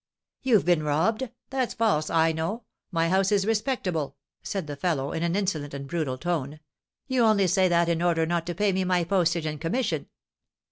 "You've been robbed! That's false, I know. My house is respectable," said the fellow, in an insolent and brutal tone; "you only say that in order not to pay me my postage and commission."